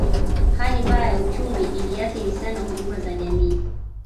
Hali mbaya ya uchumi iliathiri sana huduma za jamii